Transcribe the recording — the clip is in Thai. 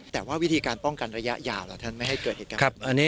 แต่ว่าวิธีการป้องกันระยะยาวเหรอท่านไม่ให้เกิดเหตุการณ์